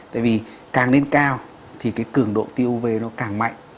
tại vì càng lên cao thì cái cường độ tiêu uv nó càng mạnh